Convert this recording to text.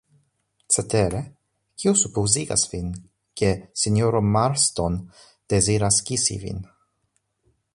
Cetere, kio supozigas vin, ke sinjoro Marston deziras kisi vin?